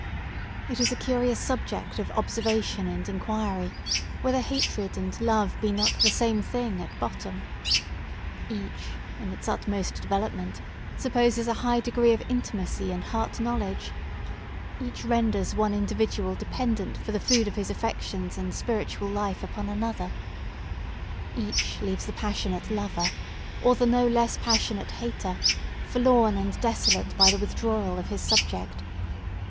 It is a curious subject of observation and inquiry, whether hatred and love be not the same thing at bottom. Each, in its utmost development, supposes a high degree of intimacy and heart knowledge; each renders one individual dependent for the food of his affections and spiritual fife upon another: each leaves the passionate lover, or the no less passionate hater, forlorn and desolate by the withdrawal of his subject.